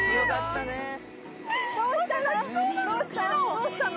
どうしたの？